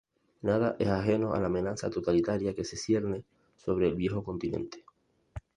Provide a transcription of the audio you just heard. Nada es ajeno a la amenaza totalitaria que se cierne sobre el Viejo Continente.